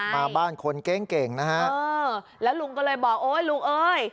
มาบ้านคนเก่งเก่งนะฮะเออแล้วลุงก็เลยบอกโอ๊ยลุงเอ้ย